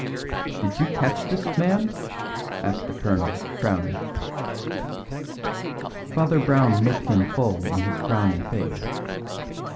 "Did you catch this man?" asked the colonel, frowning. Father Brown looked him full in his frowning face.